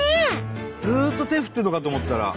ずっと手振ってるのかと思ったら。